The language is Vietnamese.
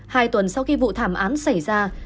hai tuần sau khi vụ thảm án xảy ra